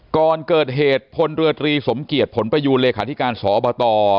ก่อนเกิดเหตุพลเรือตรีสมเกียจผลประยูนเลขาธิการสอบต